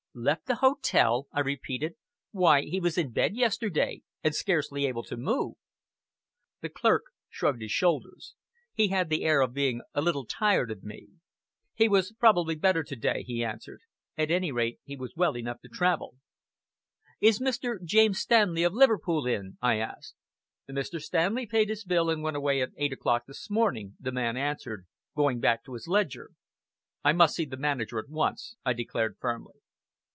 "Left the hotel!" I repeated. "Why! He was in bed yesterday, and scarcely able to move." The clerk shrugged his shoulders. He had the air of being a little tired of me. "He was probably better to day," he answered. "At any rate, he was well enough to travel." "Is Mr. James Stanley, of Liverpool, in?" I asked. "Mr. Stanley paid his bill and went away at eight o'clock this morning," the man answered, going back to his ledger. "I must see the manager at once," I declared firmly.